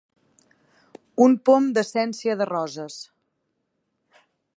Un pom d'essència de roses.